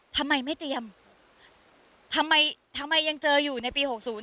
ทำไมไม่เตรียมทำไมทำไมยังเจออยู่ในปี๖๐